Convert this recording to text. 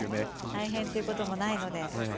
大変っていうこともないので。